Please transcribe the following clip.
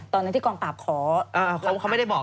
ตอนนั้นที่กองปราบขอ